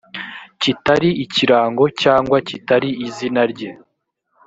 kitari ikirango cyangwa kitari izina rye